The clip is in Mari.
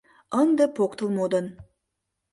Ынде поктыл модын